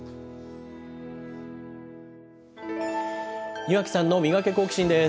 庭木さんのミガケ、好奇心！です。